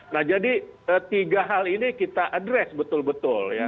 nah jadi tiga hal ini kita addres betul betul ya